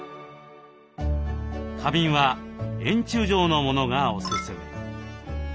花瓶は円柱状のものがおすすめ。